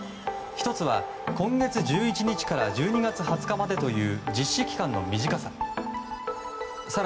１つは、今月１１日から１２月２０日までという実施期間の短さ。